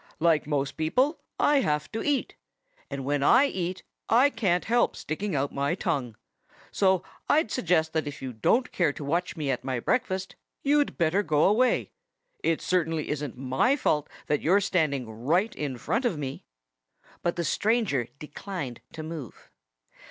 "Like most people, I have to eat. And when I eat I can't help sticking out my tongue. So I'd suggest that if you don't care to watch me at my breakfast you'd better go away. It certainly isn't my fault that you're standing right in front of me." But the stranger declined to move.